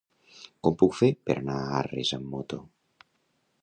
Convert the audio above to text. Com ho puc fer per anar a Arres amb moto?